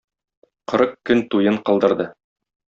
Кырык көн туен кылдырды.